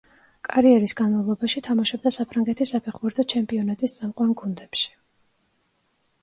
კარიერის განმავლობაში თამაშობდა საფრანგეთის საფეხბურთო ჩემპიონატის წამყვან გუნდებში.